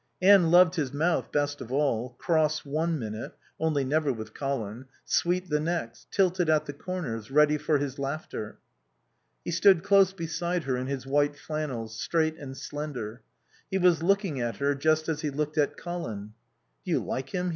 Anne loved his mouth best of all, cross one minute (only never with Colin), sweet the next, tilted at the corners, ready for his laughter. He stood close beside her in his white flannels, straight and slender. He was looking at her, just as he looked at Colin. "Do you like him?"